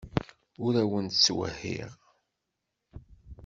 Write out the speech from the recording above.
Ur awent-ttwehhiɣ.